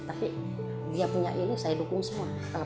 tapi dia punya ini saya dukung semua